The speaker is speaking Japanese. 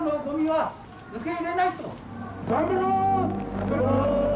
頑張ろー！